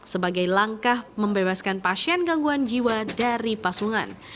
sebagai langkah membebaskan pasien gangguan jiwa dari pasungan